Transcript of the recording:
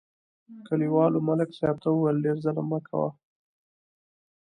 کلیوالو ملک صاحب ته وویل: ډېر ظلم مه کوه.